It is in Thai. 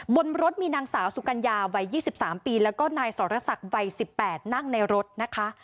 บนรถมีนางสาวสุกัญญาวัย๒๓ปีแล้วก็นายสรษักวัย๑๘นั่งในรถนะคะ